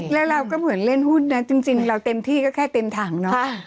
แล้วเราก็เหมือนเล่นหุ้นนะจริงเราเต็มที่ก็แค่เต็มถังเนาะ